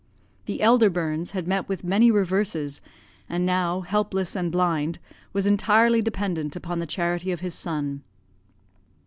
The elder Burns had met with many reverses, and now helpless and blind, was entirely dependent upon the charity of his son.